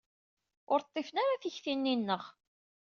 Ur ṭṭifen ara tikt-nni-nneɣ.